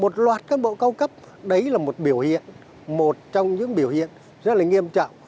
những bộ cao cấp đấy là một biểu hiện một trong những biểu hiện rất là nghiêm trọng